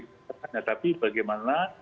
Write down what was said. kesehatan ya tapi bagaimana